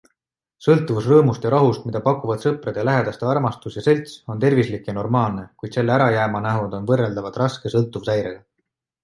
Sõltuvus rõõmust ja rahust, mida pakuvad sõprade ja lähedaste armastus ja selts, on tervislik ja normaalne, kuid selle ärajäämanähud on võrreldavad raske sõltuvushäirega.